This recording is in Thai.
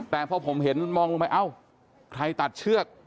แต่พอผมเห็นมองลงไปเอ้าใครตัดเชือก